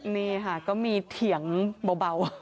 นี่ค่ะก็มีเถียงเบา